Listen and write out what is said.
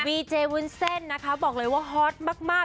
เจวุ้นเส้นนะคะบอกเลยว่าฮอตมาก